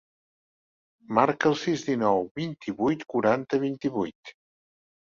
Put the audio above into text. Marca el sis, dinou, vint-i-vuit, quaranta, vint-i-vuit.